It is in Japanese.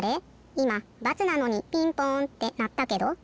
いま×なのにピンポンってなったけど？